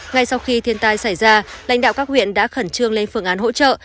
ngay sau khi thiên tai xảy ra lãnh đạo các huyện đã khẩn trương lên phương án hỗ trợ